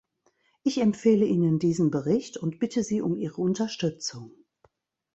Ich empfehle Ihnen diesen Bericht und bitte Sie um Ihre Unterstützung.